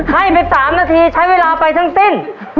ให้ไป๓นาทีใช้เวลาไปทั้งสิ้น